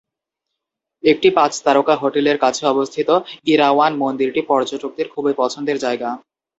একটি পাঁচ তারকা হোটেলের কাছে অবস্থিত ইরাওয়ান মন্দিরটি পর্যটকদের খুবই পছন্দের জায়গা।